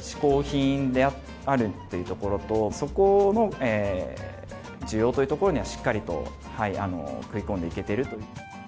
しこう品であるっていうところと、そこの需要というところにはしっかりと食い込んでいけてると。